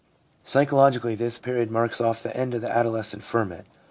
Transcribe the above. Psychologically, this period marks off the end of the adolescent ferment.